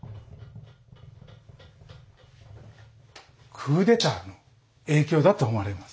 クーデターの影響だと思われます。